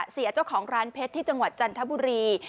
เสียเจ้าของร้านเพชรที่จังหวัดจันทบุรี